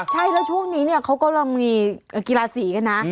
ใช่แล้วช่วงนี้เขากำลังมีกีฬาสีนะ